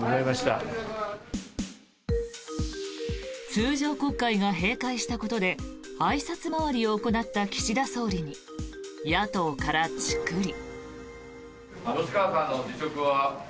通常国会が閉会したことであいさつ回りを行った岸田総理に野党からチクリ。